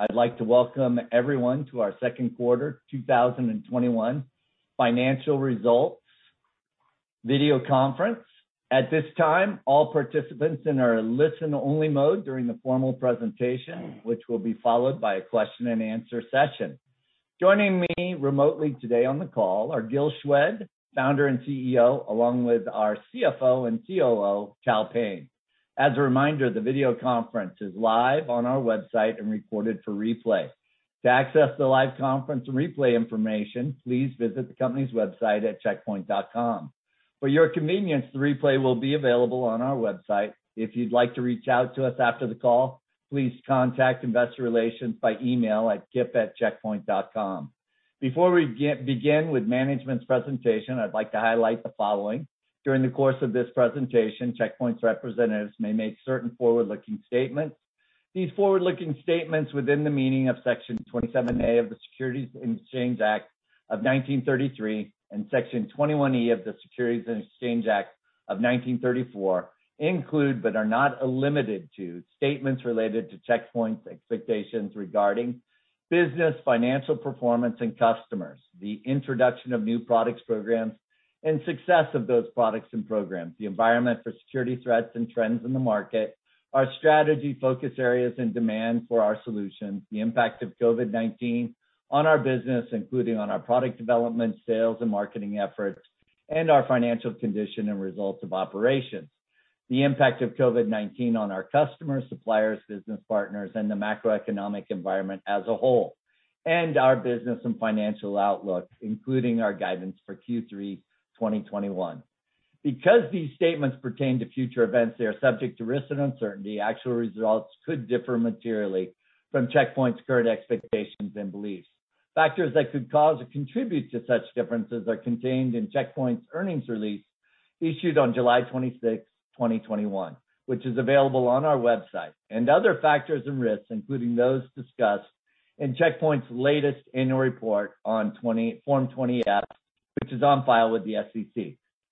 I'd like to welcome everyone to our second quarter 2021 financial results video conference. At this time, all participants are in a listen-only mode during the formal presentation, which will be followed by a question and answer session. Joining me remotely today on the call are Gil Shwed, Founder and CEO, along with our CFO and COO, Tal Payne. As a reminder, the video conference is live on our website and recorded for replay. To access the live conference and replay information, please visit the company's website at checkpoint.com. For your convenience, the replay will be available on our website. If you'd like to reach out to us after the call, please contact investor relations by email at kip@checkpoint.com. Before we begin with management's presentation, I'd like to highlight the following. During the course of this presentation, Check Point's representatives may make certain forward-looking statements. These forward-looking statements within the meaning of Section 27A of the Securities Act of 1933 and Section 21E of the Securities Exchange Act of 1934 include, but are not limited to, statements related to Check Point's expectations regarding business, financial performance, and customers, the introduction of new products, programs, and success of those products and programs, the environment for security threats and trends in the market, our strategy, focus areas, and demand for our solutions, the impact of COVID-19 on our business, including on our product development, sales, and marketing efforts, and our financial condition and results of operations, the impact of COVID-19 on our customers, suppliers, business partners, and the macroeconomic environment as a whole, and our business and financial outlook, including our guidance for Q3 2021. Because these statements pertain to future events, they are subject to risk and uncertainty. Actual results could differ materially from Check Point's current expectations and beliefs. Factors that could cause or contribute to such differences are contained in Check Point's earnings release issued on July 26th, 2021, which is available on our website, and other factors and risks, including those discussed in Check Point's latest annual report on Form 20-F, which is on file with the SEC.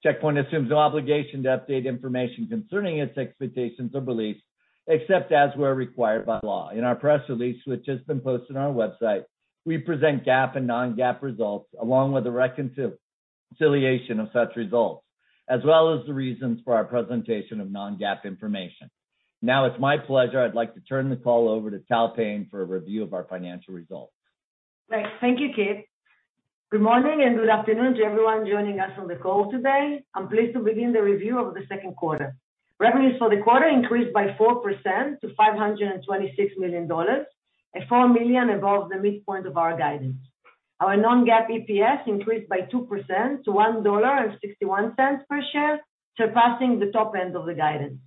Check Point assumes no obligation to update information concerning its expectations or beliefs, except as we are required by law. In our press release, which has been posted on our website, we present GAAP and non-GAAP results, along with a reconciliation of such results, as well as the reasons for our presentation of non-GAAP information. Now it's my pleasure, I'd like to turn the call over to Tal Payne for a review of our financial results. Great. Thank you, Kip. Good morning and good afternoon to everyone joining us on the call today. I'm pleased to begin the review of the second quarter. Revenues for the quarter increased by 4% to $526 million, and $4 million above the midpoint of our guidance. Our non-GAAP EPS increased by 2% to $1.61 per share, surpassing the top end of the guidance.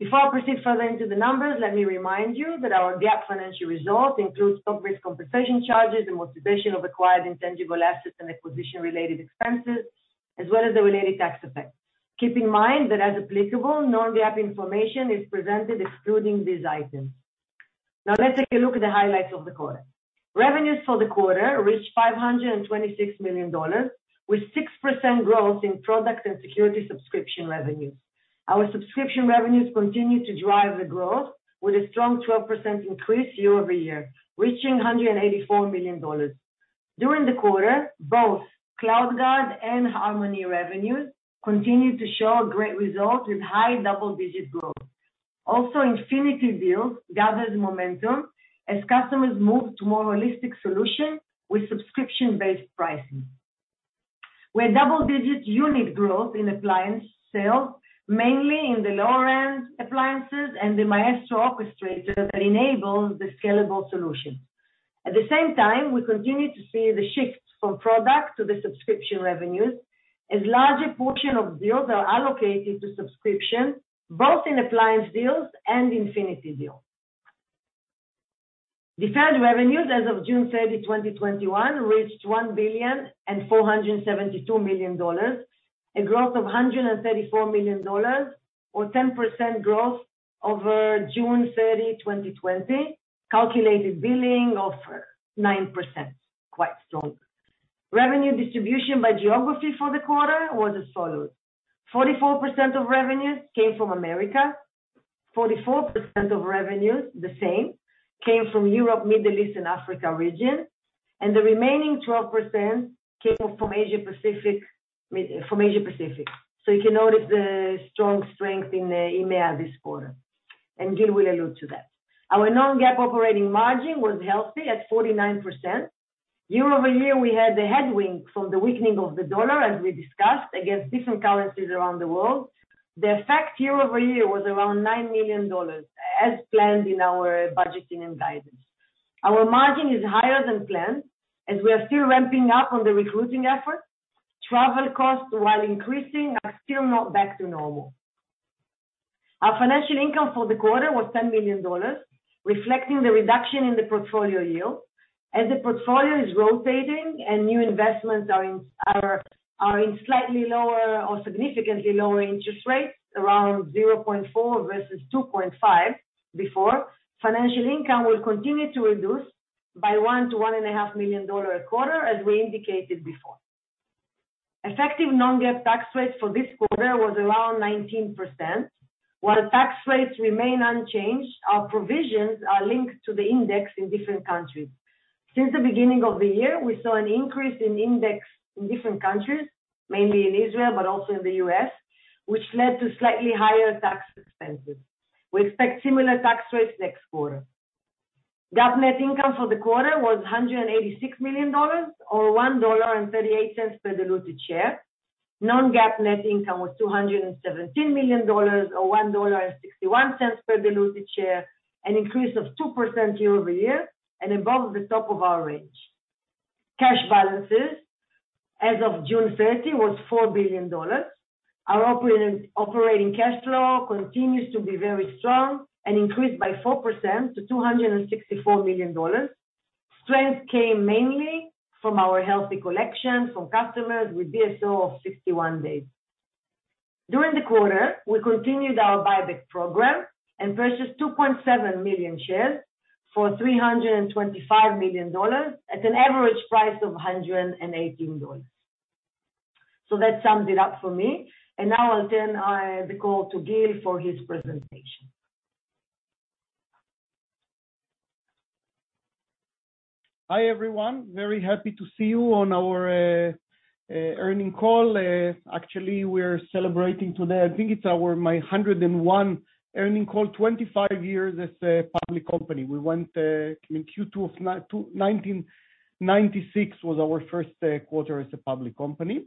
Before I proceed further into the numbers, let me remind you that our GAAP financial results includes stock-based compensation charges, amortization of acquired intangible assets, and acquisition-related expenses, as well as the related tax effects. Keep in mind that, as applicable, non-GAAP information is presented excluding these items. Now let's take a look at the highlights of the quarter. Revenues for the quarter reached $526 million, with 6% growth in product and security subscription revenues. Our subscription revenues continue to drive the growth with a strong 12% increase year-over-year, reaching $184 million. During the quarter, both CloudGuard and Harmony revenues continued to show great results with high double-digit growth. Also, Infinity deals gathers momentum as customers move to more holistic solution with subscription-based pricing. We had double-digit unit growth in appliance sales, mainly in the lower-end appliances and the Maestro Orchestrator that enables the scalable solution. At the same time, we continue to see the shifts from product to the subscription revenues as larger portion of deals are allocated to subscription, both in appliance deals and Infinity deals. Deferred revenues as of June 30, 2021, reached $1,472,000,000, a growth of $134 million, or 10% growth over June 30, 2020, calculated billing of 9%, quite strong. Revenue distribution by geography for the quarter was as follows: 44% of revenues came from America, 44% of revenues, the same, came from Europe, Middle East, and Africa region, and the remaining 12% came from Asia Pacific. You can notice the strong strength in the EMEA this quarter, and Gil will allude to that. Our non-GAAP operating margin was healthy at 49%. Year-over-year, we had the headwind from the weakening of the dollar, as we discussed, against different currencies around the world. The effect year-over-year was around $9 million, as planned in our budgeting and guidance. Our margin is higher than planned as we are still ramping up on the recruiting effort. Travel costs, while increasing, are still not back to normal. Our financial income for the quarter was $10 million, reflecting the reduction in the portfolio yield. As the portfolio is rotating and new investments are in slightly lower or significantly lower interest rates, around 0.4% versus 2.5% before, financial income will continue to reduce by $1 million-$1.5 million a quarter as we indicated before. Effective non-GAAP tax rates for this quarter was around 19%. While tax rates remain unchanged, our provisions are linked to the index in different countries. Since the beginning of the year, we saw an increase in index in different countries, mainly in Israel, but also in the U.S., which led to slightly higher tax expenses. We expect similar tax rates next quarter. GAAP net income for the quarter was $186 million, or $1.38 per diluted share. Non-GAAP net income was $217 million, or $1.61 per diluted share, an increase of 2% year-over-year and above the top of our range. Cash balances as of June 30 was $4 billion. Our operating cash flow continues to be very strong and increased by 4% to $264 million. Strength came mainly from our healthy collection from customers with DSO of 61 days. During the quarter, we continued our buyback program and purchased 2.7 million shares for $325 million at an average price of $118. That sums it up for me, and now I'll turn the call to Gil for his presentation. Hi, everyone. Very happy to see you on our earnings call. Actually, we're celebrating today, I think it's my 101 earnings call, 25 years as a public company. Q2 of 1996 was our first quarter as a public company.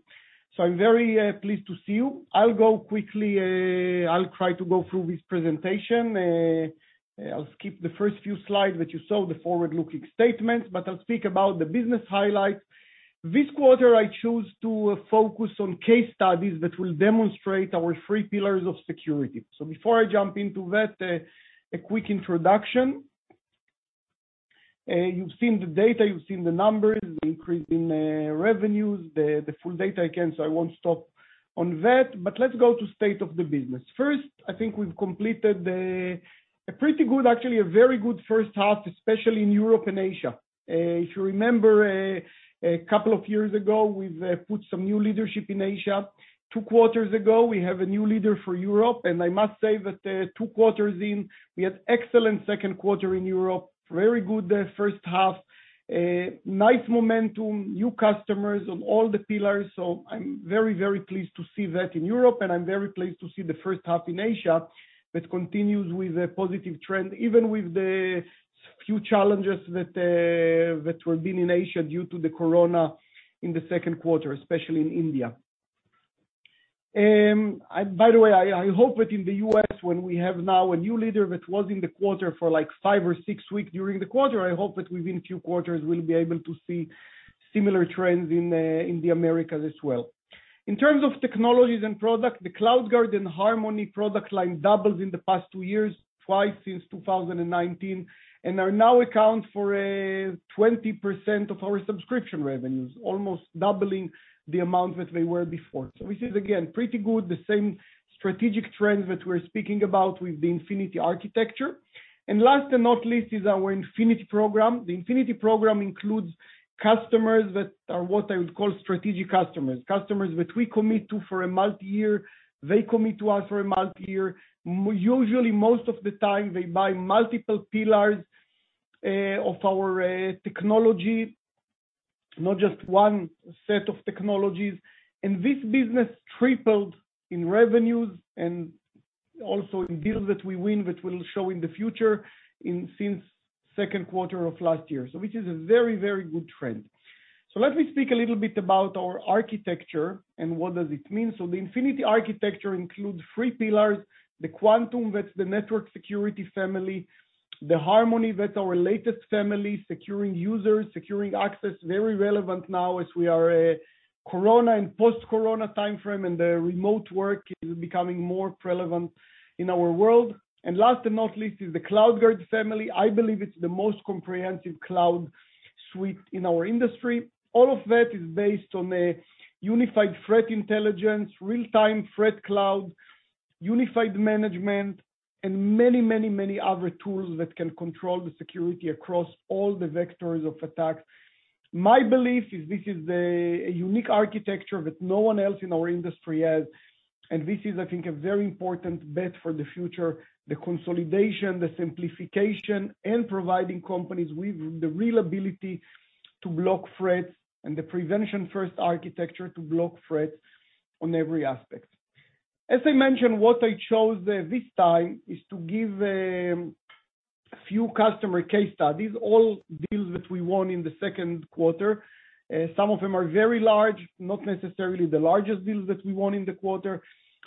I'm very pleased to see you. I'll try to go through this presentation. I'll skip the first few slides that you saw, the forward-looking statements, but I'll speak about the business highlights. This quarter, I choose to focus on case studies that will demonstrate our three pillars of security. Before I jump into that, a quick introduction. You've seen the data, you've seen the numbers, the increase in revenues, the full data, again, so I won't stop on that, but let's go to state of the business. First, I think we've completed a pretty good, actually a very good first half, especially in Europe and Asia. If you remember, a couple of years ago, we've put some new leadership in Asia. Two quarters ago, we have a new leader for Europe, and I must say that two quarters in, we had excellent Q2 in Europe, very good first half. Nice momentum, new customers on all the pillars. I'm very, very pleased to see that in Europe, and I'm very pleased to see the first half in Asia that continues with a positive trend, even with the few challenges that were being in Asia due to the COVID-19 in the Q2, especially in India. By the way, I hope that in the U.S., when we have now a new leader that was in the quarter for five or six weeks during the quarter, I hope that within few quarters, we'll be able to see similar trends in the Americas as well. In terms of technologies and product, the CloudGuard and Harmony product line doubled in the past two years, two times since 2019, and now account for 20% of our subscription revenues, almost doubling the amount that they were before. This is, again, pretty good, the same strategic trends that we're speaking about with the Infinity Architecture. Last but not least, is our Infinity Program. The Infinity Program includes customers that are what I would call strategic customers which we commit to for a multi-year, they commit to us for a multi-year. Usually, most of the time, they buy multiple pillars of our technology, not just one set of technologies. This business tripled in revenues and also in deals that we win, which will show in the future since second quarter of last year. This is a very, very good trend. Let me speak a little bit about our architecture and what does it mean. The Infinity Architecture includes 3 pillars, the Quantum, that's the network security family, the Harmony, that's our latest family, securing users, securing access, very relevant now as we are a corona and post-corona timeframe, and the remote work is becoming more prevalent in our world. Last but not least, is the CloudGuard family. I believe it's the most comprehensive cloud suite in our industry. All of that is based on a unified Threat Intelligence, real-time ThreatCloud, unified management, and many, many, many other tools that can control the security across all the vectors of attacks. My belief is this is a unique architecture that no one else in our industry has, and this is, I think, a very important bet for the future, the consolidation, the simplification, and providing companies with the real ability to block threats and the prevention first architecture to block threats on every aspect. As I mentioned, what I chose this time is to give a few customer case studies, all deals that we won in the second quarter. Some of them are very large, not necessarily the largest deals that we won in the quarter,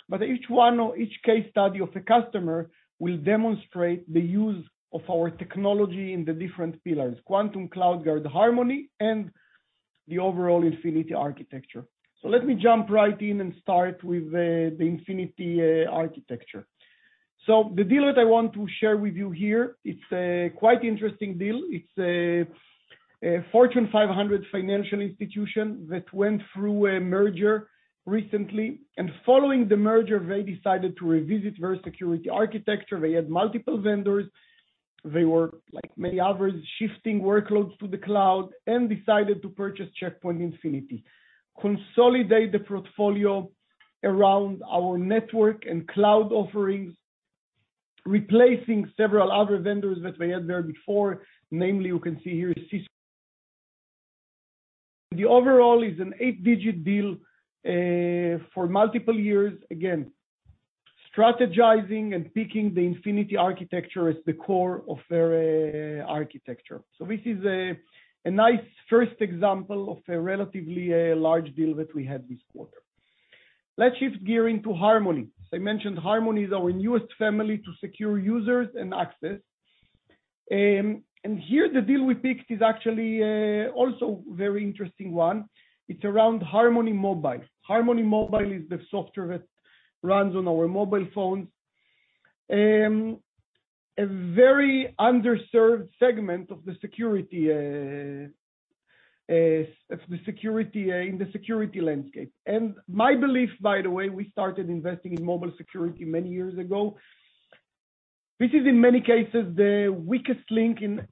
but each one or each case study of the customer will demonstrate the use of our technology in the different pillars, Quantum, CloudGuard, Harmony, and the overall Infinity Architecture. Let me jump right in and start with the Infinity Architecture. The deal that I want to share with you here, it's a quite interesting deal. It's a Fortune 500 financial institution that went through a merger recently. Following the merger, they decided to revisit their security architecture. They had multiple vendors. They were, like many others, shifting workloads to the cloud and decided to purchase Check Point Infinity, consolidate the portfolio around our network and cloud offerings, replacing several other vendors that we had there before. Namely, you can see here Cisco. The overall is an eight-digit deal for multiple years. Again, strategizing and picking the Infinity Architecture as the core of their architecture. This is a nice first example of a relatively large deal that we had this quarter. Let's shift gear into Harmony. I mentioned Harmony is our newest family to secure users and access. Here the deal we picked is actually also a very interesting one. It's around Harmony Mobile. Harmony Mobile is the software that runs on our mobile phones. A very underserved segment in the security landscape. My belief, by the way, we started investing in mobile security many years ago. This is, in many cases, the weakest link in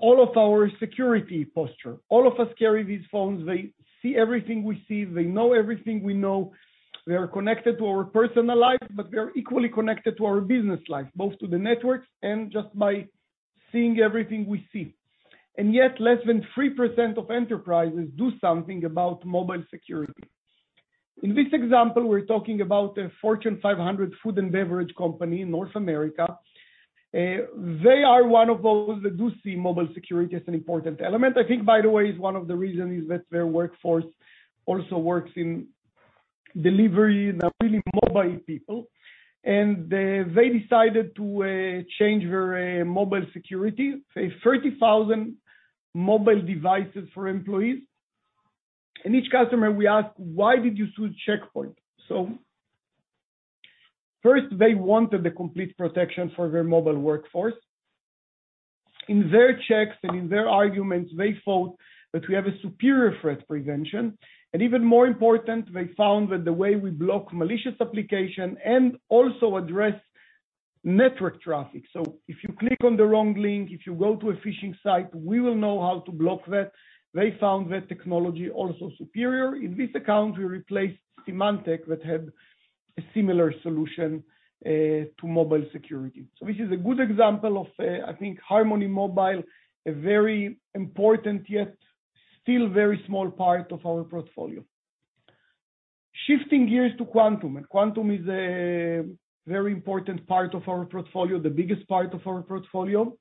all of our security posture. All of us carry these phones. They see everything we see. They know everything we know. They are connected to our personal life, but they're equally connected to our business life, both to the networks and just by seeing everything we see. Yet, less than 3% of enterprises do something about mobile security. In this example, we're talking about a Fortune 500 food and beverage company in North America. They are one of those that do see mobile security as an important element. I think, by the way, one of the reasons is that their workforce also works in delivery and are really mobile people, and they decided to change their mobile security, say, 30,000 mobile devices for employees. Each customer we ask, "Why did you choose Check Point?" First, they wanted the complete protection for their mobile workforce. In their checks and in their arguments, they felt that we have a superior threat prevention, and even more important, they found that the way we block malicious application and also address network traffic. If you click on the wrong link, if you go to a phishing site, we will know how to block that. They found that technology also superior. In this account, we replaced Symantec, which had a similar solution to mobile security. This is a good example of, I think, Harmony Mobile, a very important yet still very small part of our portfolio. Shifting gears to Quantum. Quantum is a very important part of our portfolio, the biggest part of our portfolio.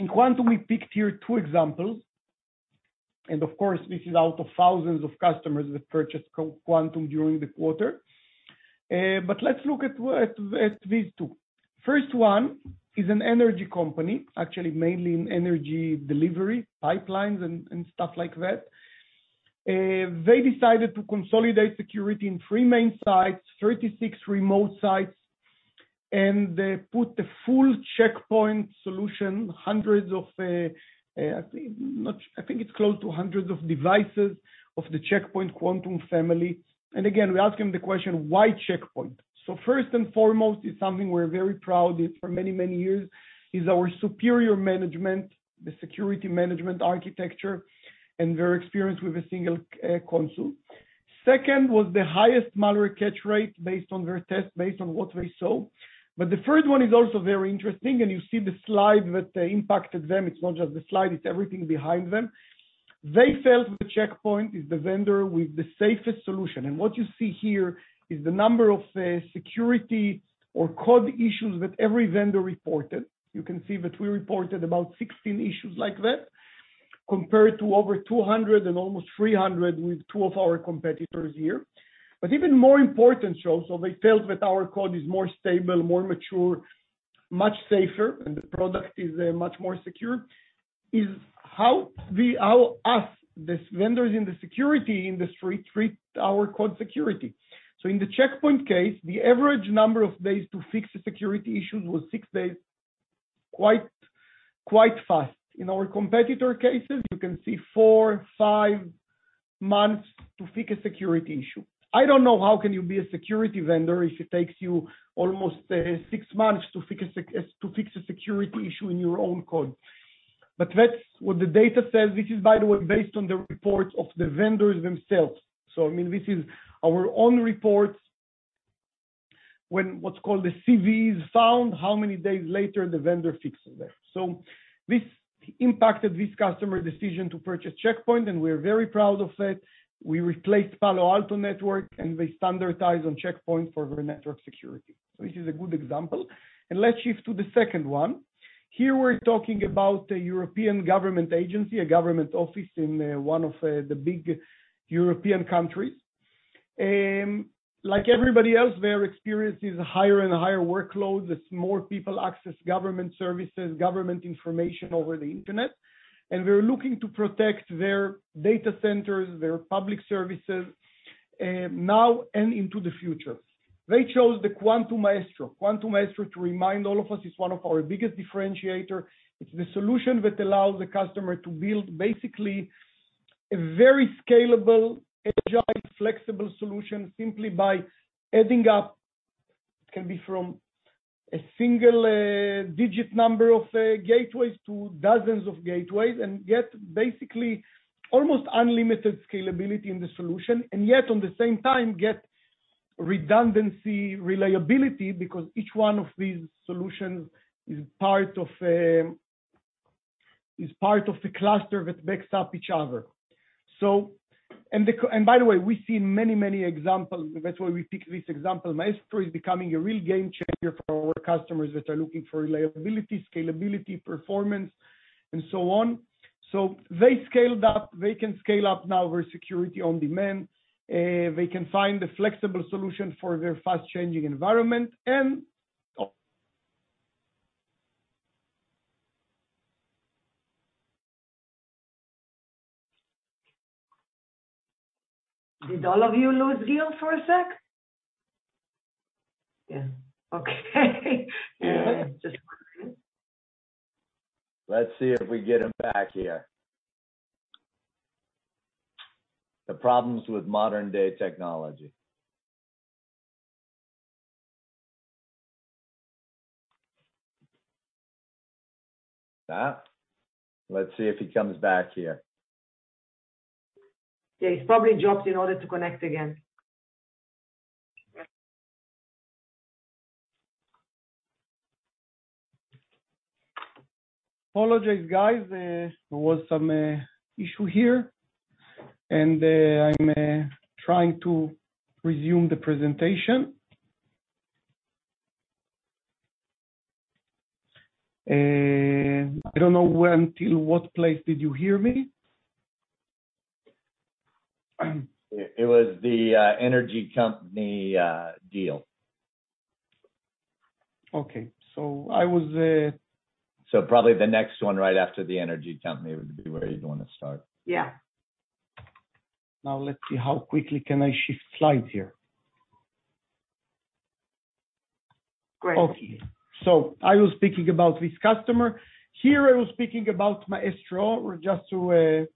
In Quantum, we picked here two examples. Of course, this is out of thousands of customers that purchased Quantum during the quarter. Let's look at these two. 1st one is an energy company, actually mainly in energy delivery, pipelines and stuff like that. They decided to consolidate security in three main sites, 36 remote sites. They put the full Check Point solution, I think it's close to hundreds of devices of the Check Point Quantum family. Again, we ask them the question, why Check Point? First and foremost, it's something we're very proud of for many, many years is our superior management, the security management architecture, and their experience with a single console. Second was the highest malware catch rate based on their test, based on what they saw. The third one is also very interesting, and you see the slide that impacted them. It's not just the slide, it's everything behind them. They felt the Check Point is the vendor with the safest solution. What you see here is the number of security or code issues that every vendor reported. You can see that we reported about 16 issues like that, compared to over 200 and almost 300 with two of our competitors here. Even more important show, they felt that our code is more stable, more mature, much safer, and the product is much more secure, is how us, the vendors in the security industry, treat our code security. In the Check Point case, the average number of days to fix the security issues was six days. Quite fast. In our competitor cases, you can see four, five months to fix a security issue. I don't know how can you be a security vendor if it takes you almost six months to fix a security issue in your own code. That's what the data says, which is by the way, based on the reports of the vendors themselves. This is our own reports, when what's called the CVEs found, how many days later the vendor fixes that. This impacted this customer decision to purchase Check Point, and we're very proud of it. We replaced Palo Alto Networks, and they standardize on Check Point for their network security. This is a good example. Let's shift to the second one. Here, we're talking about a European government agency, a government office in one of the big European countries. Like everybody else, their experience is higher and higher workloads. It's more people access government services, government information over the internet, and they're looking to protect their data centers, their public services, now and into the future. They chose the Quantum Maestro. Quantum Maestro, to remind all of us, is one of our biggest differentiator. It's the solution that allows the customer to build basically a very scalable, agile, flexible solution simply by adding up, it can be from a single-digit number of gateways to dozens of gateways, and get basically almost unlimited scalability in the solution. Yet, at the same time, get redundancy, reliability, because each one of these solutions is part of the cluster that backs up each other. By the way, we've seen many examples. That's why we pick this example. Maestro is becoming a real game changer for our customers that are looking for reliability, scalability, performance, and so on. They scaled up. They can scale up now with security on demand. They can find a flexible solution for their fast-changing environment. Did all of you lose Gil for a sec? Yeah. Okay. Just wondering. Let's see if we get him back here. The problems with modern-day technology. Stop. Let's see if he comes back here. Yeah, he's probably dropped in order to connect again. Apologize, guys. There was some issue here, and I'm trying to resume the presentation. I don't know until what place did you hear me? It was the energy company deal. Okay. Probably the next one right after the energy company would be where you'd want to start. Yeah. Let's see how quickly can I shift slides here. Great. Okay. I was speaking about this customer. Here, I was speaking about Maestro, just to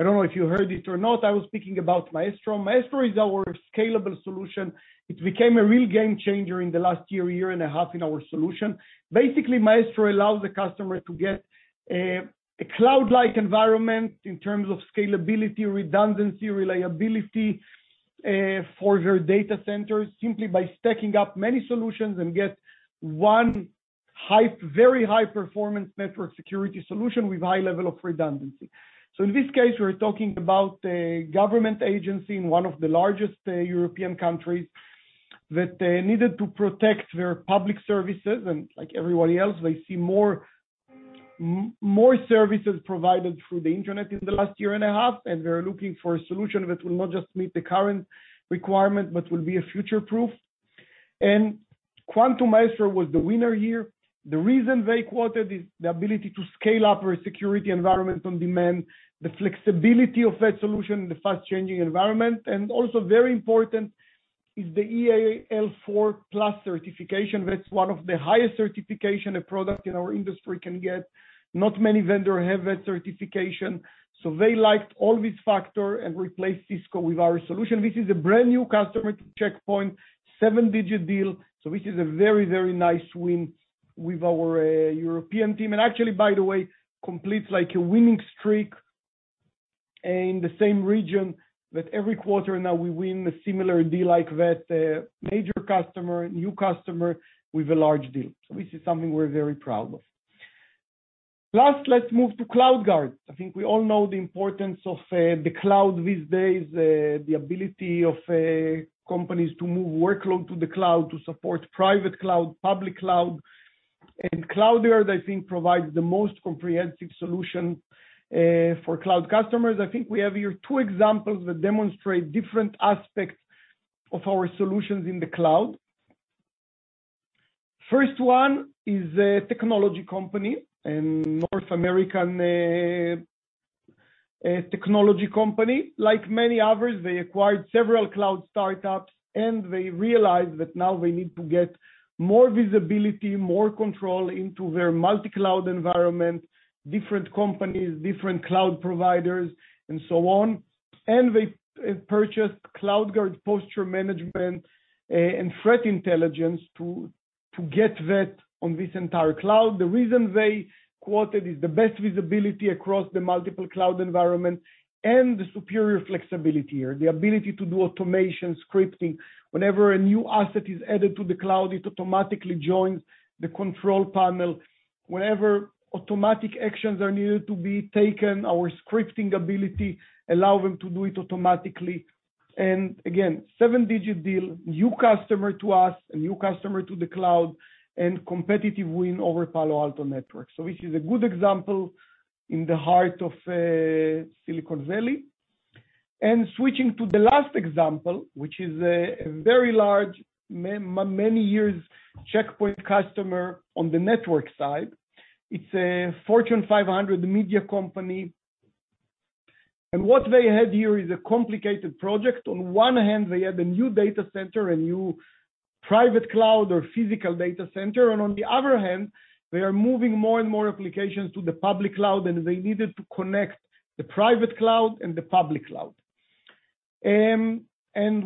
I don't know if you heard it or not. I was speaking about Maestro. Maestro is our scalable solution. It became a real game changer in the last year and a half, in our solution. Maestro allows the customer to get a cloud-like environment in terms of scalability, redundancy, reliability for their data centers simply by stacking up many solutions and get one very high performance network security solution with high level of redundancy. In this case, we're talking about a government agency in one of the largest European countries that needed to protect their public services. Like everybody else, they see more services provided through the internet in the last year and a half. They're looking for a solution that will not just meet the current requirement, but will be a future-proof. Quantum Maestro was the winner here. The reason they quoted is the ability to scale up our security environment on demand, the flexibility of that solution in the fast-changing environment, and also very important is the EAL4 plus certification. That's one of the highest certification a product in our industry can get. Not many vendor have that certification. They liked all these factor and replaced Cisco with our solution. This is a brand new customer to Check Point, seven-digit deal. Which is a very nice win with our European team. Actually, by the way, completes a winning streak in the same region that every quarter now we win a similar deal like that, a major customer, new customer with a large deal. This is something we're very proud of. Last, let's move to CloudGuard. We all know the importance of the cloud these days, the ability of companies to move workload to the cloud to support private cloud, public cloud, and CloudGuard, I think, provides the most comprehensive solution for cloud customers. We have here two examples that demonstrate different aspects of our solutions in the cloud. First one is a technology company, a North American technology company. Like many others, they acquired several cloud startups, and they realized that now they need to get more visibility, more control into their multi-cloud environment, different companies, different cloud providers, and so on. They purchased CloudGuard Posture Management and Threat Intelligence to get that on this entire cloud. The reason they quoted is the best visibility across the multiple cloud environment and the superior flexibility or the ability to do automation scripting. Whenever a new asset is added to the cloud, it automatically joins the control panel. Whenever automatic actions are needed to be taken, our scripting ability allow them to do it automatically. Again, seven-digit deal, new customer to us, a new customer to the cloud, and competitive win over Palo Alto Networks. Which is a good example in the heart of Silicon Valley. Switching to the last example, which is a very large, many years Check Point customer on the network side. It's a Fortune 500 media company. What they had here is a complicated project. On one hand, they had a new data center, a new private cloud or physical data center. On the other hand, they are moving more and more applications to the public cloud, and they needed to connect the private cloud and the public cloud.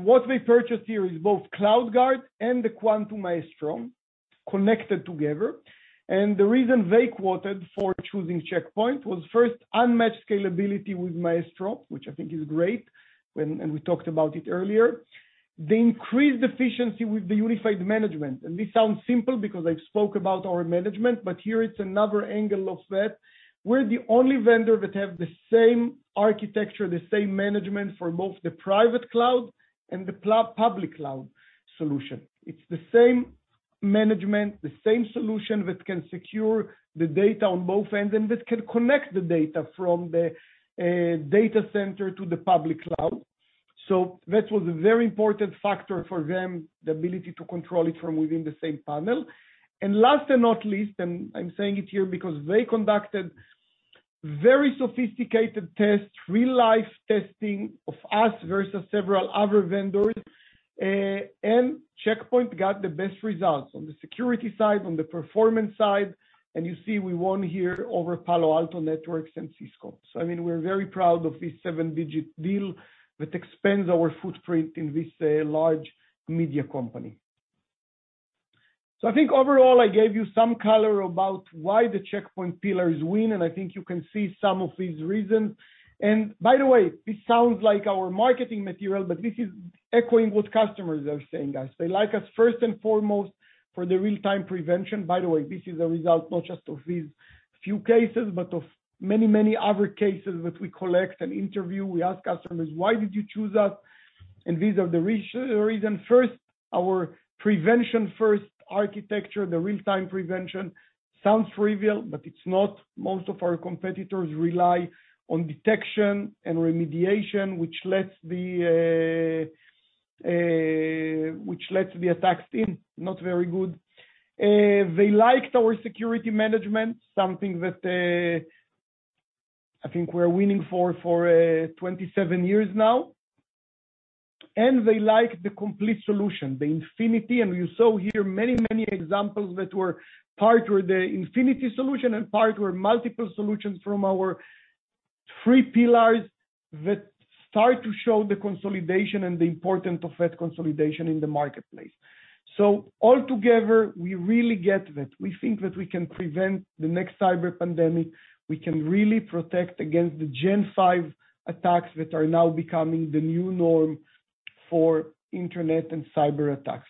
What they purchased here is both CloudGuard and the Quantum Maestro connected together. The reason they quoted for choosing Check Point was first unmatched scalability with Maestro, which I think is great, and we talked about it earlier. They increased efficiency with the unified management. This sounds simple because I've spoke about our management, but here it's another angle of that. We're the only vendor that have the same architecture, the same management for both the private cloud and the public cloud solution. It's the same management, the same solution that can secure the data on both ends, and that can connect the data from the data center to the public cloud. That was a very important factor for them, the ability to control it from within the same panel. Last and not least, I'm saying it here because they conducted very sophisticated tests, real-life testing of us versus several other vendors, Check Point got the best results on the security side, on the performance side. You see we won here over Palo Alto Networks and Cisco. We're very proud of this 7-digit deal that expands our footprint in this large media company. I think overall, I gave you some color about why the Check Point pillars win, and I think you can see some of these reasons. By the way, this sounds like our marketing material, but this is echoing what customers are saying, guys. They like us first and foremost for the real-time prevention. This is a result not just of these few cases, but of many other cases that we collect and interview. We ask customers, "Why did you choose us?" These are the reason. First, our prevention first architecture, the real-time prevention sounds trivial, but it's not. Most of our competitors rely on detection and remediation, which lets the attacks in. Not very good. They liked our security management, something that I think we're winning for 27 years now. They like the complete solution, the Infinity. You saw here many examples that were part were the Infinity solution and part were multiple solutions from our three pillars that start to show the consolidation and the importance of that consolidation in the marketplace. Altogether, we really get that. We think that we can prevent the next cyber pandemic. We can really protect against the Gen V attacks that are now becoming the new norm for internet and cyber attacks.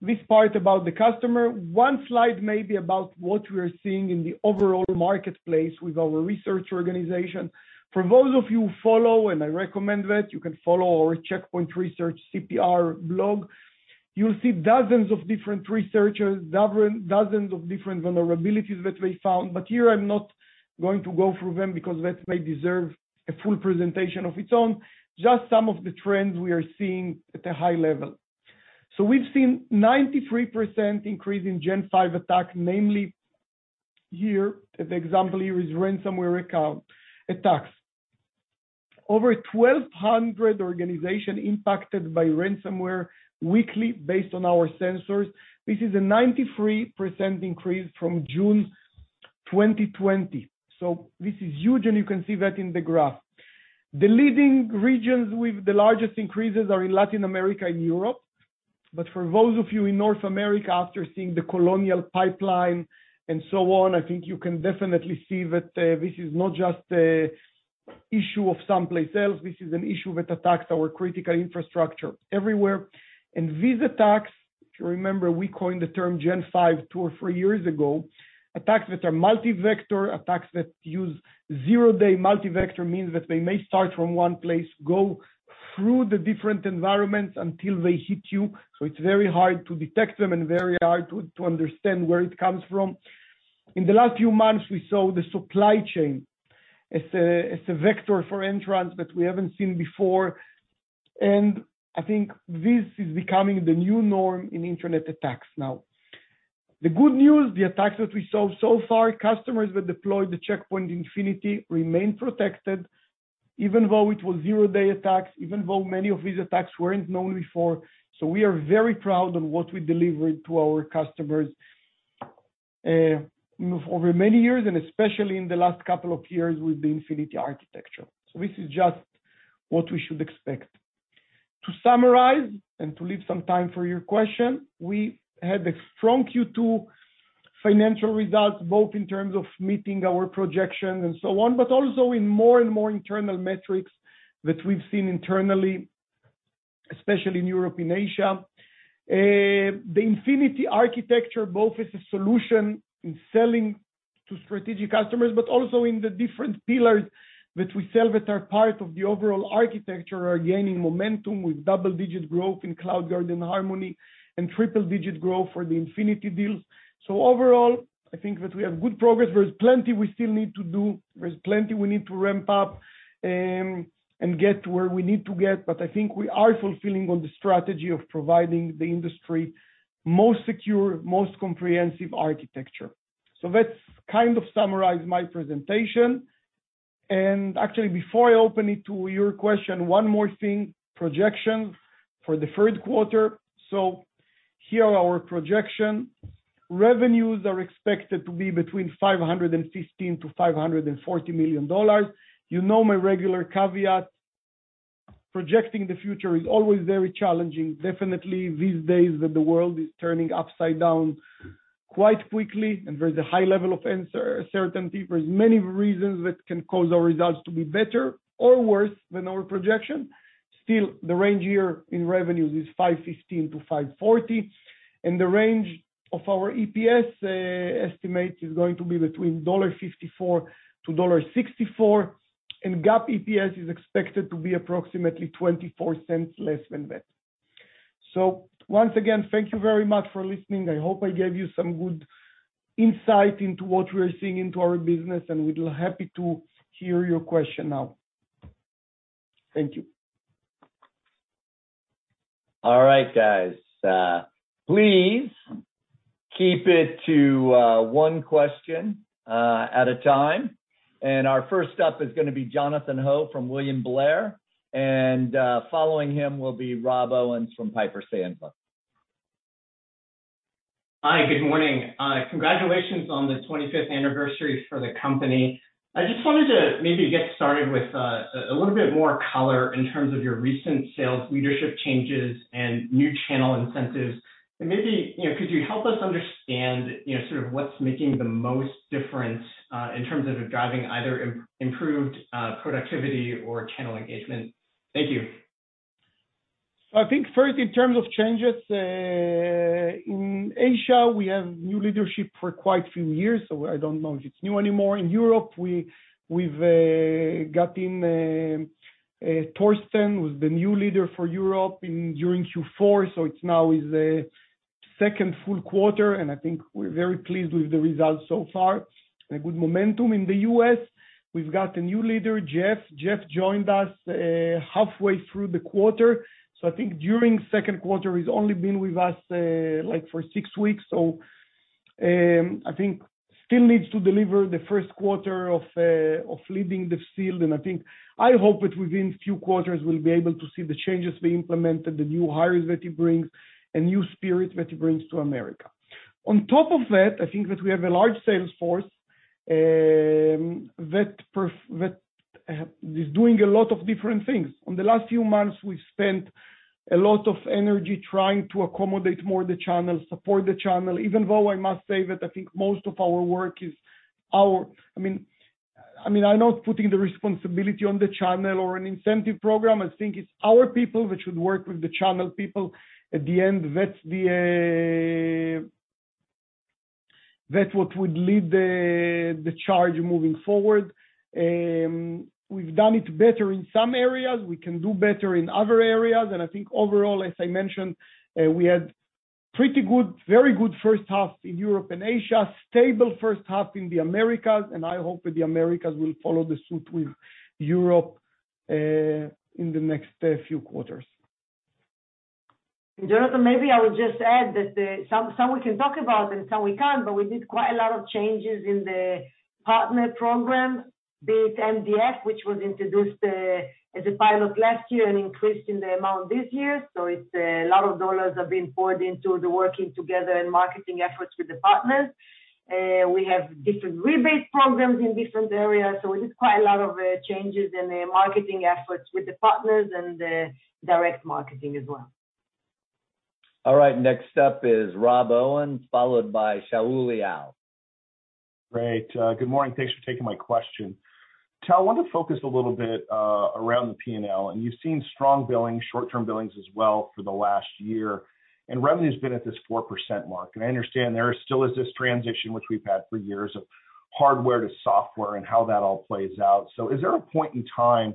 This part about the customer. One slide maybe about what we're seeing in the overall marketplace with our research organization. For those of you who follow, and I recommend that, you can follow our Check Point Research, CPR blog. You'll see dozens of different researchers, dozens of different vulnerabilities that we found, but here I'm not going to go through them because that may deserve a full presentation of its own. Just some of the trends we are seeing at a high level. We've seen 93% increase in Gen V attack, namely here. The example here is ransomware account attacks. Over 1,200 organization impacted by ransomware weekly based on our sensors. This is a 93% increase from June 2020. This is huge, and you can see that in the graph. The leading regions with the largest increases are in Latin America and Europe. For those of you in North America, after seeing the Colonial Pipeline and so on, I think you can definitely see that this is not just a issue of someplace else. This is an issue that attacks our critical infrastructure everywhere. These attacks, if you remember, we coined the term Gen V two or three years ago, attacks that are multi-vector, attacks that use zero-day multi-vector means that they may start from one place, go through the different environments until they hit you. It's very hard to detect them and very hard to understand where it comes from. In the last few months, we saw the supply chain as a vector for entrance that we haven't seen before. I think this is becoming the new norm in internet attacks now. The good news, the attacks that we saw so far, customers that deployed the Check Point Infinity remain protected even though it was zero-day attacks, even though many of these attacks weren't known before. We are very proud on what we delivered to our customers over many years, and especially in the last couple of years with the Infinity Architecture. This is just what we should expect. To summarize and to leave some time for your question, we had a strong Q2 financial results, both in terms of meeting our projections and so on, but also in more and more internal metrics that we've seen internally, especially in Europe and Asia. The Infinity Architecture, both as a solution in selling to strategic customers, but also in the different pillars that we sell that are part of the overall architecture, are gaining momentum with double-digit growth in CloudGuard and Harmony, and triple-digit growth for the Infinity deals. Overall, I think that we have good progress. There's plenty we still need to do, there's plenty we need to ramp up, and get to where we need to get. I think we are fulfilling on the strategy of providing the industry most secure, most comprehensive architecture. That's kind of summarize my presentation. Actually, before I open it to your question, one more thing, projection for the third quarter. Here are our projection. Revenues are expected to be between $515 million-$540 million. You know my regular caveat, projecting the future is always very challenging, definitely these days that the world is turning upside down quite quickly, and there's a high level of uncertainty. There's many reasons that can cause our results to be better or worse than our projection. Still, the range here in revenues is $515 million-$540 million, and the range of our EPS estimate is going to be between $1.54-$1.64, and GAAP EPS is expected to be approximately $0.24 less than that. Once again, thank you very much for listening. I hope I gave you some good insight into what we're seeing into our business, and we'll be happy to hear your question now. Thank you. All right, guys. Please keep it to one question at a time. Our first up is going to be Jonathan Ho from William Blair, and following him will be Rob Owens from Piper Sandler. Hi. Good morning. Congratulations on the 25th anniversary for the company. I just wanted to maybe get started with a little bit more color in terms of your recent sales leadership changes and new channel incentives. Maybe, could you help us understand sort of what's making the most difference in terms of driving either improved productivity or channel engagement? Thank you. I think first, in terms of changes, in Asia, we have new leadership for quite a few years, so I don't know if it's new anymore. In Europe, we've got in Thorsten, who's the new leader for Europe during Q4, so it's now his 2nd full quarter, and I think we're very pleased with the results so far. A good momentum. In the U.S., we've got a new leader, Jeff. Jeff joined us halfway through the quarter, so I think during 2nd quarter, he's only been with us for six weeks, so I think still needs to deliver the 1st quarter of leading the field, and I hope that within few quarters, we'll be able to see the changes being implemented, the new hires that he brings, a new spirit that he brings to America. On top of that, I think that we have a large sales force that is doing a lot of different things. On the last few months, we've spent a lot of energy trying to accommodate more the channel, support the channel, even though I must say that I think most of our work is I'm not putting the responsibility on the channel or an incentive program. I think it's our people which would work with the channel people. At the end, that's what would lead the charge moving forward. We've done it better in some areas. We can do better in other areas. I think overall, as I mentioned, we had pretty good, very good first half in Europe and Asia, stable first half in the Americas, and I hope that the Americas will follow the suit with Europe in the next few quarters. Jonathan, maybe I would just add that some we can talk about and some we can't, but we did quite a lot of changes in the partner program, be it MDF, which was introduced as a pilot last year, an increase in the amount this year. It's a lot of dollars have been poured into the working together and marketing efforts with the partners. We have different rebate programs in different areas, we did quite a lot of changes in the marketing efforts with the partners and the direct marketing as well. All right, next up is Rob Owens, followed by Shaul Eyal. Great. Good morning. Thanks for taking my question. Tal, I wanted to focus a little bit around the P&L. You've seen strong billing, short-term billings as well for the last year, and revenue's been at this 4% mark. I understand there still is this transition, which we've had for years, of hardware to software and how that all plays out. Is there a point in time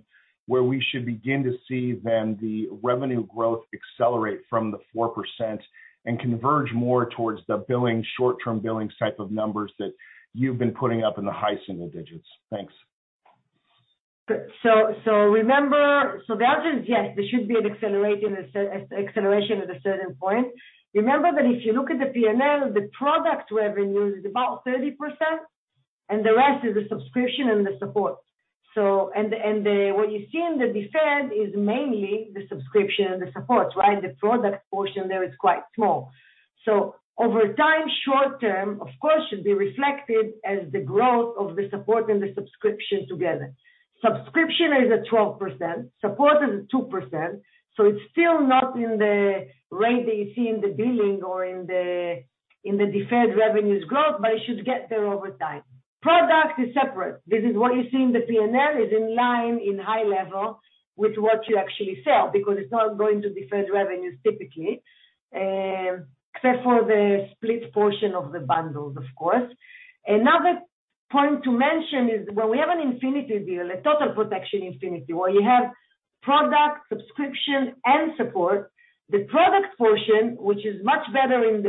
where we should begin to see then the revenue growth accelerate from the 4% and converge more towards the billing, short-term billing type of numbers that you've been putting up in the high single digits? Thanks. The answer is yes, there should be an acceleration at a certain point. Remember that if you look at the P&L, the product revenue is about 30%, and the rest is the subscription and the support. What you see in the deferred is mainly the subscription and the support, right? The product portion there is quite small. Over time, short-term, of course, should be reflected as the growth of the support and the subscription together. Subscription is at 12%, support is at 2%, so it's still not in the rate that you see in the billing or in the deferred revenues growth, but it should get there over time. Product is separate. This is what you see in the P&L, is in line in high level with what you actually sell, because it's not going to deferred revenues typically, except for the split portion of the bundles, of course. Another point to mention is when we have an Infinity deal, an Infinity Total Protection, where you have product, subscription, and support, the product portion, which is much better in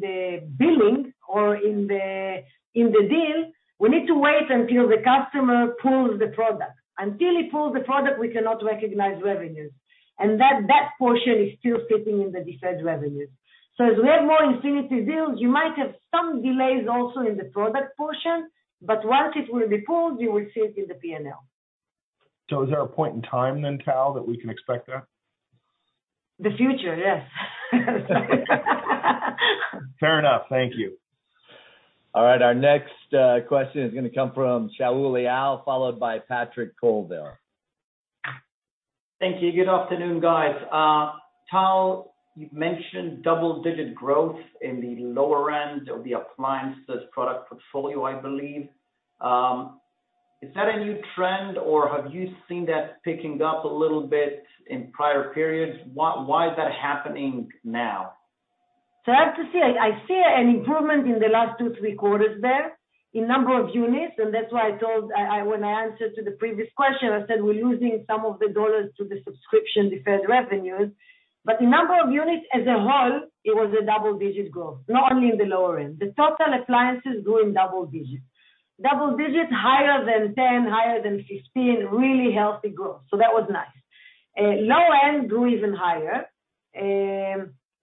the billing or in the deal, we need to wait until the customer pulls the product. Until he pulls the product, we cannot recognize revenues. And that portion is still sitting in the deferred revenues. As we have more Infinity deals, you might have some delays also in the product portion, but once it will be pulled, you will see it in the P&L. Is there a point in time then, Tal, that we can expect that? The future, yes. Fair enough. Thank you. All right, our next question is going to come from Shaul Eyal, followed by Patrick Colville. Thank you. Good afternoon, guys. Tal, you've mentioned double-digit growth in the lower end of the appliances product portfolio, I believe. Is that a new trend, or have you seen that picking up a little bit in prior periods? Why is that happening now? I have to see. I see an improvement in the last two, three quarters there in number of units, and that's why when I answered to the previous question, I said we're losing some of the dollars to the subscription deferred revenues. The number of units as a whole, it was a double-digit growth, not only in the lower end. The total appliances grew in double digits. Double digits higher than 10, higher than 15, really healthy growth. That was nice. Low end grew even higher.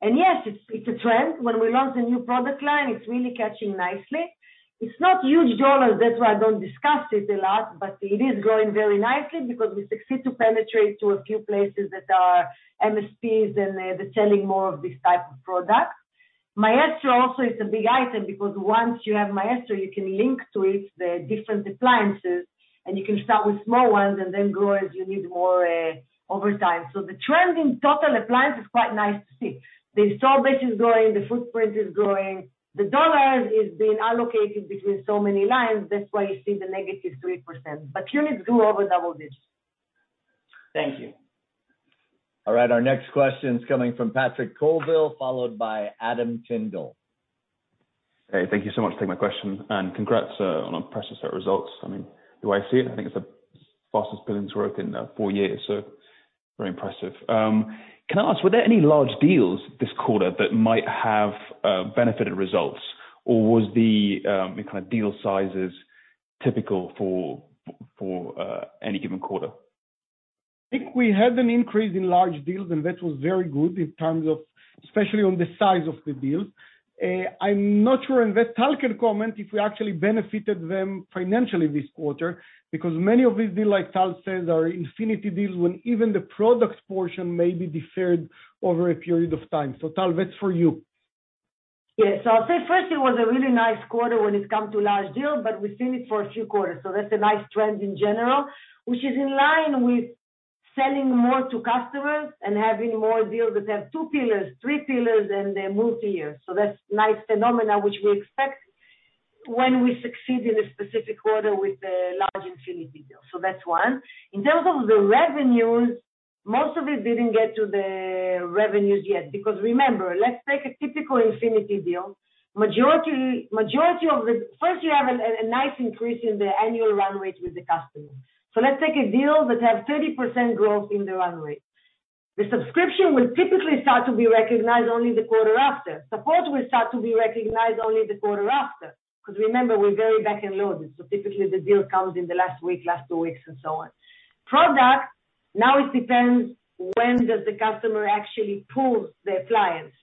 Yes, it's a trend. When we launched the new product line, it's really catching nicely. It's not huge dollars, that's why I don't discuss it a lot, but it is growing very nicely because we succeed to penetrate to a few places that are MSPs, and they're selling more of this type of product. Maestro also is a big item because once you have Maestro, you can link to it the different appliances, and you can start with small ones and then grow as you need more over time. The trend in total appliance is quite nice to see. The store base is growing, the footprint is growing. The dollars is being allocated between so many lines, that's why you see the negative 3%. Units grew over double digits. Thank you. All right, our next question is coming from Patrick Colville, followed by Adam Tindle. Hey, thank you so much for taking my question, and congrats on a precious set of results. The way I see it, I think it's the fastest billings growth in four years, so very impressive. Can I ask, were there any large deals this quarter that might have benefited results? Was the kind of deal sizes typical for any given quarter? I think we had an increase in large deals, and that was very good in terms of, especially on the size of the deals. I'm not sure, and Tal can comment if we actually benefited them financially this quarter, because many of these deals, like Tal says, are Infinity deals, when even the products portion may be deferred over a period of time. Tal, that's for you. Yes. I'll say first, it was a really nice quarter when it come to large deals, but we've seen it for a few quarters. That's a nice trend in general, which is in line with selling more to customers and having more deals that have two pillars, three pillars, and they move to you. That's nice phenomena, which we expect when we succeed in a specific quarter with a large Infinity deal. That's one. In terms of the revenues, most of it didn't get to the revenues yet. Remember, let's take a typical Infinity deal. First, you have a nice increase in the annual run rate with the customer. Let's take a deal that have 30% growth in the run rate. The subscription will typically start to be recognized only the quarter after. Support will start to be recognized only the quarter after, because remember, we're very back-end loaded. Typically, the deal comes in the last week, last 2 weeks, and so on. Product, now it depends when does the customer actually pulls the appliance.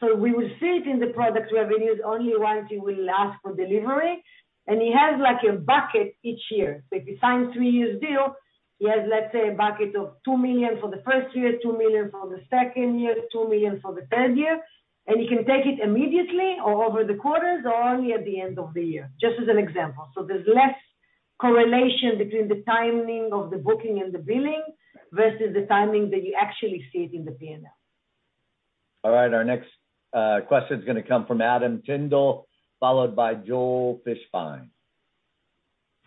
We will see it in the product revenues only once you will ask for delivery, and he has like a bucket each year. If he signs a three-years deal, he has, let's say, a bucket of $2 million for the first year, $2 million for the second year, $2 million for the third year, and he can take it immediately or over the quarters or only at the end of the year. Just as an example. There's less correlation between the timing of the booking and the billing versus the timing that you actually see it in the P&L. All right. Our next question is going to come from Adam Tindle, followed by Joel Fishbein.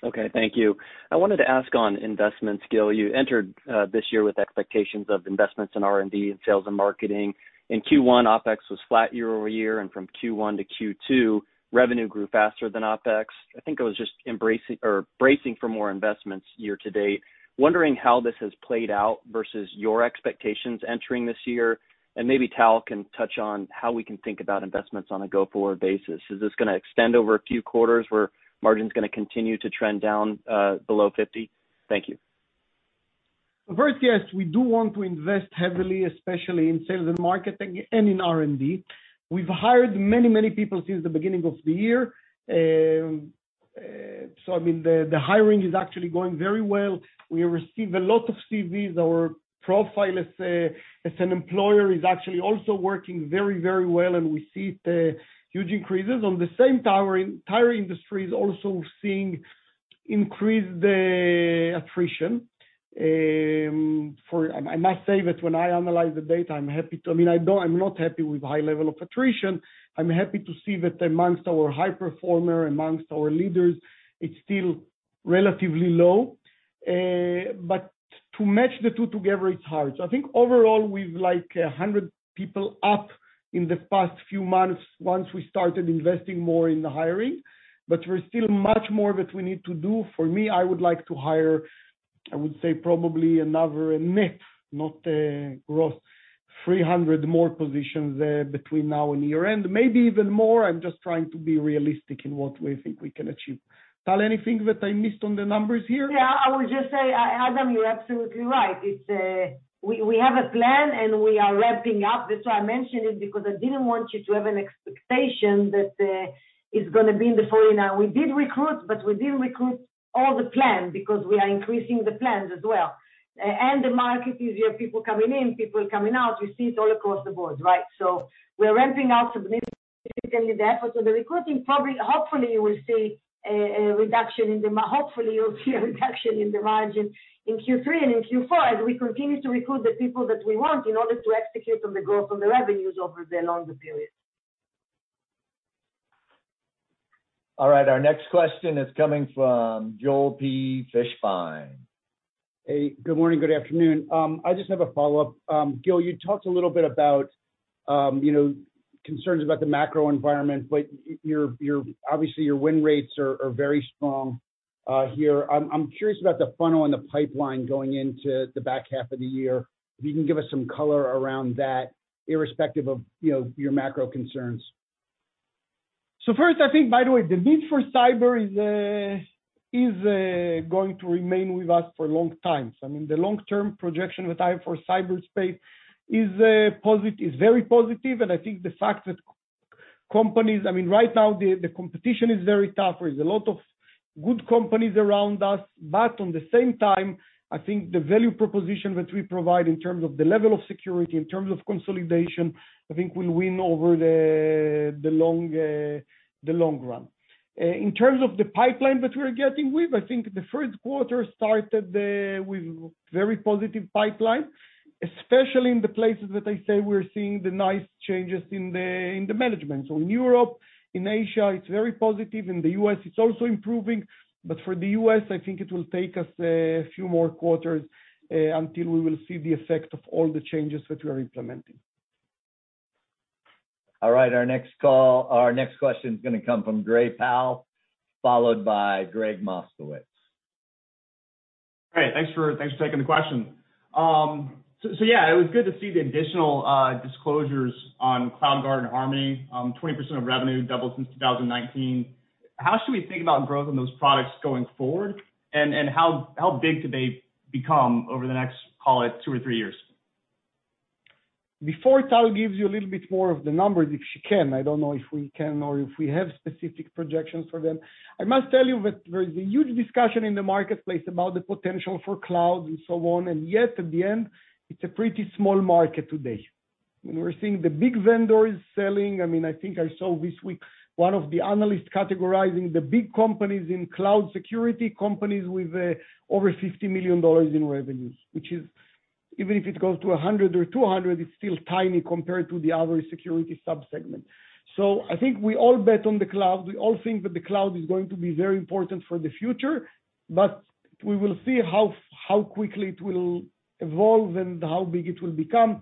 Okay. Thank you. I wanted to ask on investments, Gil. You entered this year with expectations of investments in R&D and sales and marketing. In Q1, OpEx was flat year-over-year, and from Q1 to Q2, revenue grew faster than OpEx. I think I was just bracing for more investments year to date. Wondering how this has played out versus your expectations entering this year, and maybe Tal can touch on how we can think about investments on a go-forward basis. Is this going to extend over a few quarters where margin is going to continue to trend down below 50%? Thank you. First, yes, we do want to invest heavily, especially in sales and marketing and in R&D. We've hired many people since the beginning of the year. The hiring is actually going very well. We receive a lot of CVs. Our profile as an employer is actually also working very well, and we see huge increases. On the same token, entire industry is also seeing increased attrition. I must say that when I analyze the data, I'm not happy with high level of attrition. I'm happy to see that amongst our high performer, amongst our leaders, it's still relatively low. To match the two together, it's hard. I think overall, we've like 100 people up in the past few months once we started investing more in the hiring, but we're still much more that we need to do. For me, I would like to hire, I would say, probably another net, not a gross, 300 more positions between now and year-end, maybe even more. I'm just trying to be realistic in what we think we can achieve. Tal, anything that I missed on the numbers here? I would just say, Adam, you're absolutely right. We have a plan, and we are ramping up. That's why I mentioned it, because I didn't want you to have an expectation. We did recruit, but we didn't recruit all the plan, because we are increasing the plans as well. The market is, you have people coming in, people coming out, you see it all across the board, right? We're ramping up significantly there. The recruiting probably, hopefully, you will see a reduction in the margin in Q3 and in Q4, as we continue to recruit the people that we want in order to execute on the growth on the revenues over the longer period. All right. Our next question is coming from Joel P. Fishbein. Hey. Good morning, good afternoon. I just have a follow-up. Gil, you talked a little bit about concerns about the macro environment, but obviously, your win rates are very strong here. I'm curious about the funnel and the pipeline going into the back half of the year. If you can give us some color around that, irrespective of your macro concerns. First, I think, by the way, the need for cyber is going to remain with us for a long time. I mean, the long-term projection with eye for cyberspace is very positive, and I think the fact that companies, I mean, right now, the competition is very tough. There is a lot of good companies around us. On the same time, I think the value proposition that we provide in terms of the level of security, in terms of consolidation, I think will win over the long run. In terms of the pipeline that we're getting, I think the first quarter started with very positive pipeline, especially in the places that I say we're seeing the nice changes in the management. In Europe, in Asia, it's very positive. In the U.S., it's also improving. For the U.S., I think it will take us a few more quarters until we will see the effect of all the changes that we are implementing. All right. Our next question is going to come from Gray Powell, followed by Gregg Moskowitz. Great. Thanks for taking the question. Yeah, it was good to see the additional disclosures on CloudGuard and Harmony. 20% of revenue doubled since 2019. How should we think about growth on those products going forward? How big could they become over the next, call it, two or three years? Before Tal gives you a little bit more of the numbers, if she can, I don't know if we can, or if we have specific projections for them. I must tell you that there is a huge discussion in the marketplace about the potential for cloud and so on, and yet at the end, it's a pretty small market today. We're seeing the big vendors selling. I think I saw this week, one of the analysts categorizing the big companies in cloud security, companies with over $50 million in revenues. Which is, even if it goes to $100 million or $200 million, it's still tiny compared to the other security sub-segment. I think we all bet on the cloud. We all think that the cloud is going to be very important for the future, but we will see how quickly it will evolve and how big it will become.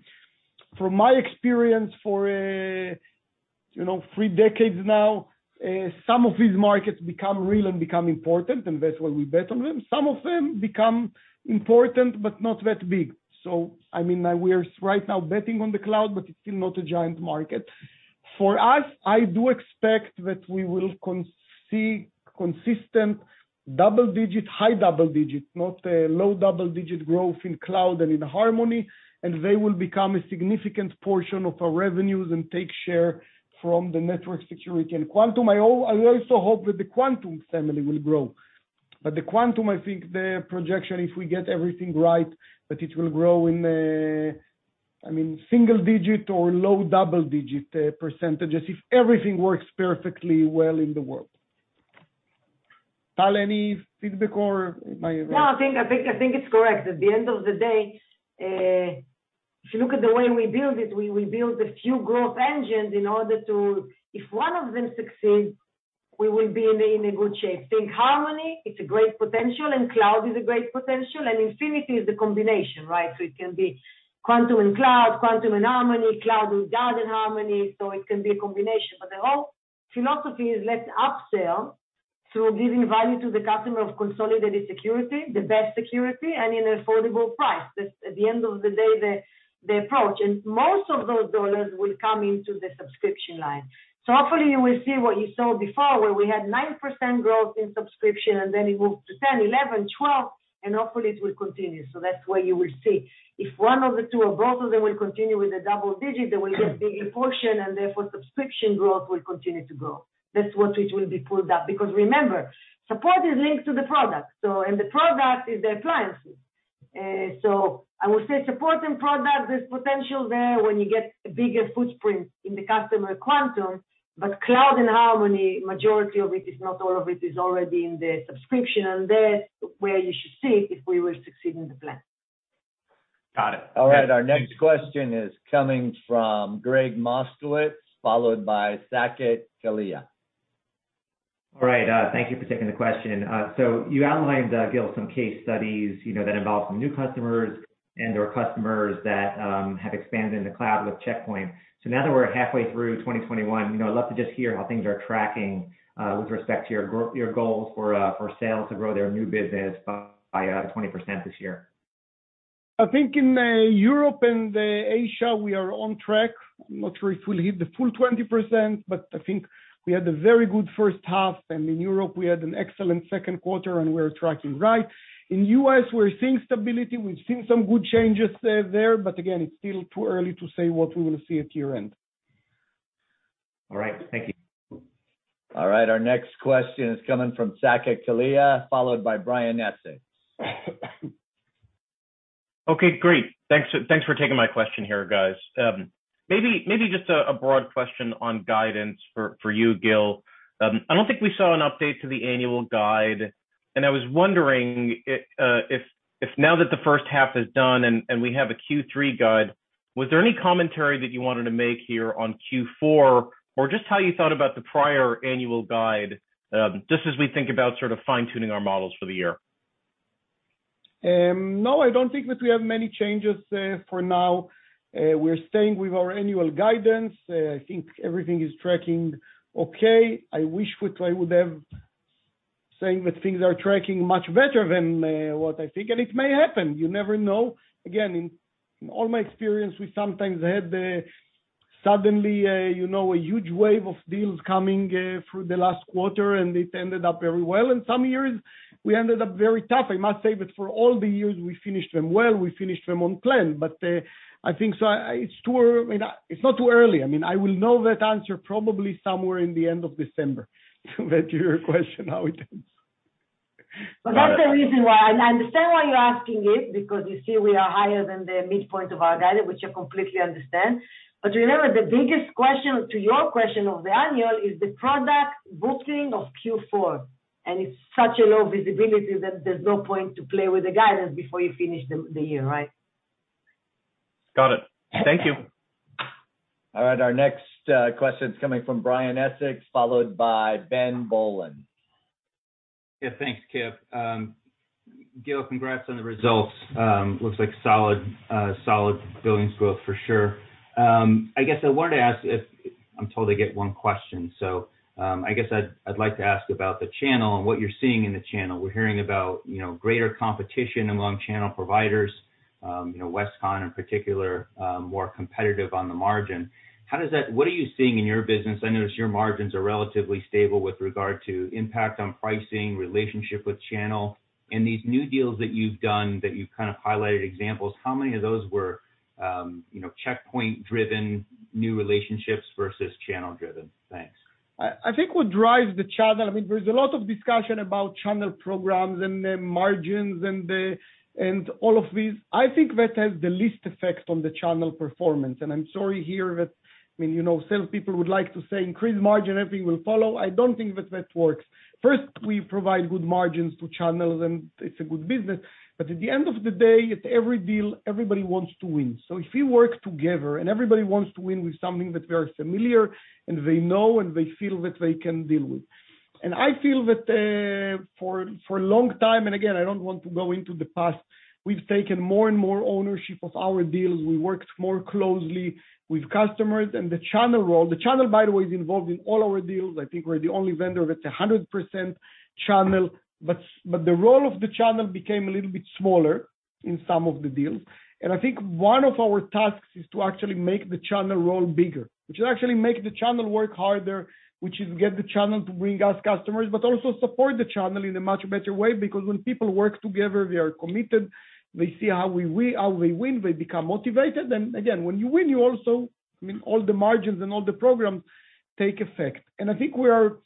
From my experience for three decades now, some of these markets become real and become important, that's why we bet on them. Some of them become important, not that big. I mean, we're right now betting on the cloud, it's still not a giant market. For us, I do expect that we will see consistent double-digit, high double-digit, not low double-digit growth in cloud and in Harmony, they will become a significant portion of our revenues and take share from the network security. Quantum, I also hope that the Quantum family will grow. The Quantum, I think the projection, if we get everything right, that it will grow in single-digit or low double-digit percentages, if everything works perfectly well in the world. Tal, any feedback or am I right? No, I think it's correct. At the end of the day, if you look at the way we build it, we build a few growth engines in order to, if one of them succeeds, we will be in a good shape. Think Harmony, it's a great potential, and Cloud is a great potential, and Infinity is the combination, right? It can be Quantum and Cloud, Quantum and Harmony, CloudGuard and Harmony. The whole philosophy is let's upsell through giving value to the customer of consolidated security, the best security, and in an affordable price. That's at the end of the day, the approach. Most of those dollars will come into the subscription line. Hopefully you will see what you saw before, where we had 9% growth in subscription, and then it moved to 10, 11, 12, and hopefully it will continue. That's where you will see. If one of the two or both of them will continue with a double-digit, they will get bigger portion and therefore subscription growth will continue to grow. That's what it will be pulled up. Remember, support is linked to the product. And the product is the appliances. I would say support and product, there's potential there when you get a bigger footprint in the customer, Quantum, but CloudGuard and Harmony, majority of it is, not all of it, is already in the subscription, and there where you should see if we will succeed in the plan. Got it. All right. Our next question is coming from Gregg Moskowitz, followed by Saket Kalia. All right. Thank you for taking the question. You outlined, Gil, some case studies that involve some new customers and/or customers that have expanded in the cloud with Check Point. Now that we're halfway through 2021, I'd love to just hear how things are tracking with respect to your goals for sales to grow their new business by 20% this year. I think in Europe and Asia, we are on track. I'm not sure if we'll hit the full 20%, but I think we had a very good first half, and in Europe, we had an excellent second quarter, and we're tracking right. In U.S., we're seeing stability. We've seen some good changes there, but again, it's still too early to say what we will see at year-end. All right. Thank you. All right. Our next question is coming from Saket Kalia, followed by Brian Essex. Okay. Great. Thanks for taking my question here, guys. Maybe just a broad question on guidance for you, Gil. I don't think we saw an update to the annual guide, and I was wondering if now that the first half is done and we have a Q3 guide, was there any commentary that you wanted to make here on Q4, or just how you thought about the prior annual guide, just as we think about sort of fine-tuning our models for the year? I don't think that we have many changes for now. We're staying with our annual guidance. I think everything is tracking okay. I wish I would have saying that things are tracking much better than what I think, and it may happen. You never know. In all my experience, we sometimes had suddenly, a huge wave of deals coming through the last quarter, and it ended up very well. In some years, we ended up very tough, I must say, but for all the years, we finished them well, we finished them on plan. I think it's not too early. I will know that answer probably somewhere in the end of December, to answer your question how it ends. All right. That's the reason why, and I understand why you're asking it, because you see we are higher than the midpoint of our value, which I completely understand. Remember, the biggest question to your question of the annual is the product booking of Q4, and it's such a low visibility that there's no point to play with the guidance before you finish the year, right? Got it. Thank you. All right, our next question's coming from Brian Essex, followed by Ben Bollin. Yeah. Thanks, Kip. Gil, congrats on the results. Looks like solid billings growth for sure. I guess I wanted to ask if, I'm told I get one question, I guess I'd like to ask about the channel and what you're seeing in the channel. We're hearing about greater competition among channel providers, Westcon in particular, more competitive on the margin. What are you seeing in your business? I notice your margins are relatively stable with regard to impact on pricing, relationship with channel, and these new deals that you've done, that you've kind of highlighted examples, how many of those were Check Point-driven new relationships versus channel-driven? Thanks. I think what drives the channel, there's a lot of discussion about channel programs and the margins and all of these. I think that has the least effect on the channel performance. I'm sorry here that sales people would like to say increase margin, everything will follow. I don't think that works. First, we provide good margins to channels. It's a good business. At the end of the day, it's every deal, everybody wants to win. If we work together and everybody wants to win with something that's very familiar and they know and they feel that they can deal with. I feel that for a long time, and again, I don't want to go into the past, we've taken more and more ownership of our deals. We worked more closely with customers and the channel role. The channel, by the way, is involved in all our deals. I think we're the only vendor that's 100% channel. The role of the channel became a little bit smaller in some of the deals. I think one of our tasks is to actually make the channel role bigger, which will actually make the channel work harder, which is get the channel to bring us customers, but also support the channel in a much better way because when people work together, they are committed. They see how we win, they become motivated. Again, when you win, all the margins and all the programs take effect. I think we are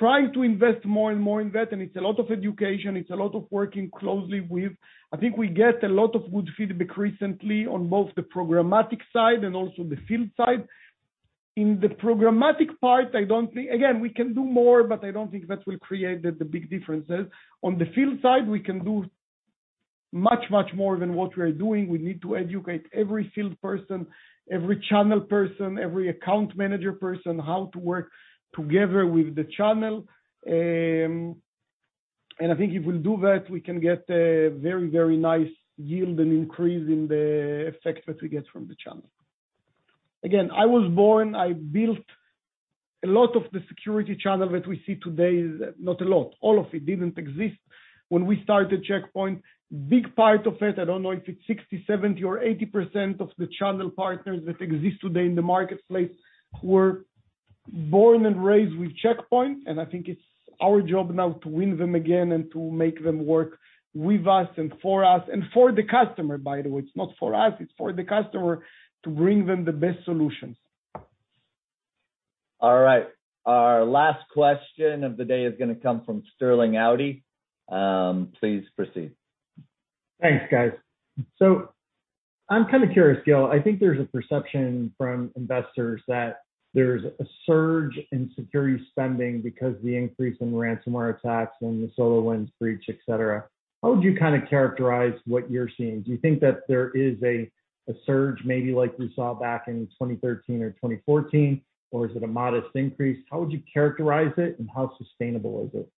trying to invest more and more in that, and it's a lot of education. It's a lot of working closely with. I think we get a lot of good feedback recently on both the programmatic side and also the field side. In the programmatic part, again, we can do more, but I don't think that will create the big differences. On the field side, we can do much more than what we are doing. We need to educate every field person, every channel person, every account manager person, how to work together with the channel. I think if we do that, we can get a very nice yield and increase in the effect that we get from the channel. Again, I was born, I built a lot of the security channel that we see today. Not a lot, all of it didn't exist when we started Check Point. Big part of it, I don't know if it's 60, 70, or 80% of the channel partners that exist today in the marketplace were born and raised with Check Point, and I think it's our job now to win them again and to make them work with us and for us, and for the customer, by the way. It's not for us, it's for the customer to bring them the best solutions. All right. Our last question of the day is going to come from Sterling Auty. Please proceed. Thanks, guys. I'm kind of curious, Gil, I think there's a perception from investors that there's a surge in security spending because of the increase in ransomware attacks and the SolarWinds breach, et cetera. How would you characterize what you're seeing? Do you think that there is a surge maybe like we saw back in 2013 or 2014, or is it a modest increase? How would you characterize it, and how sustainable is it?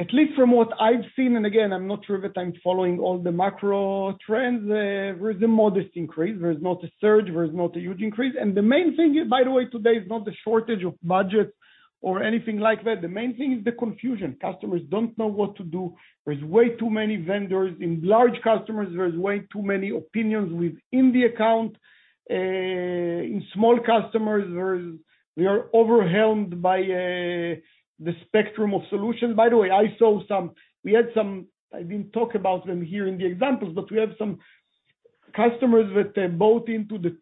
At least from what I've seen, and again, I'm not sure that I'm following all the macro trends, there is a modest increase. There is not a surge, there is not a huge increase. The main thing here, by the way, today, is not the shortage of budget or anything like that. The main thing is the confusion. Customers don't know what to do. There's way too many vendors. In large customers, there's way too many opinions within the account. In small customers, they are overwhelmed by the spectrum of solutions. By the way, I didn't talk about them here in the examples, but we have some customers that bought into the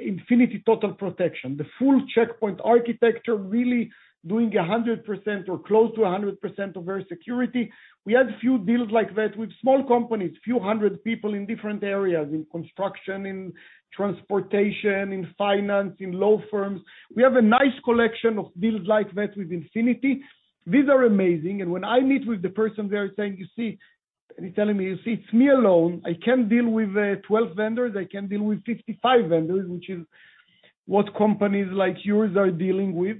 Infinity Total Protection, the full Check Point architecture, really doing 100% or close to 100% of their security. We had a few deals like that with small companies, few 100 people in different areas, in construction, in transportation, in finance, in law firms. We have a nice collection of deals like that with Infinity. These are amazing. When I meet with the person there and he's telling me, "You see, it's me alone. I can't deal with 12 vendors. I can't deal with 55 vendors," which is what companies like yours are dealing with.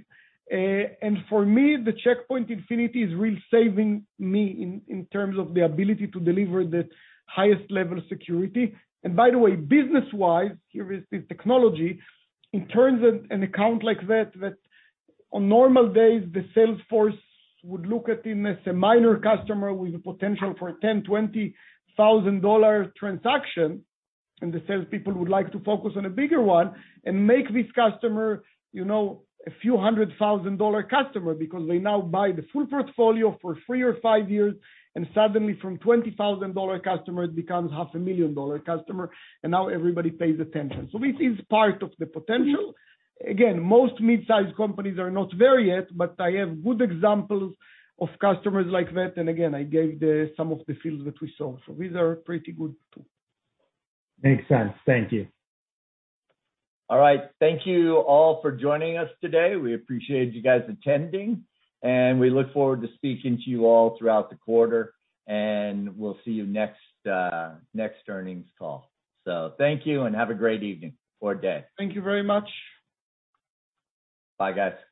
For me, the Check Point Infinity is really saving me in terms of the ability to deliver the highest level of security. By the way, business-wise, here is the technology. In terms of an account like that on normal days, the sales force would look at him as a minor customer with a potential for $10,000, $20,000 transaction, and the salespeople would like to focus on a bigger one, and make this customer a few hundred thousand dollar customer because they now buy the full portfolio for three or five years. Suddenly from $20,000 customer, it becomes half a million dollar customer, and now everybody pays attention. This is part of the potential. Again, most midsize companies are not there yet, but I have good examples of customers like that. Again, I gave some of the fields that we saw. These are pretty good, too. Makes sense. Thank you. Thank you all for joining us today. We appreciate you guys attending, and we look forward to speaking to you all throughout the quarter, and we'll see you next earnings call. Thank you, and have a great evening or day. Thank you very much. Bye, guys.